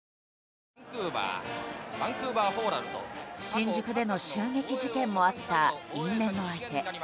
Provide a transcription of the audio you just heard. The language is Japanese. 新宿での襲撃事件もあった因縁の相手。